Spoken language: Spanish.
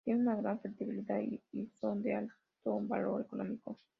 Tienen una gran fertilidad y son de alto valor económico.